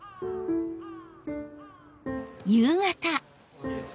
お先です。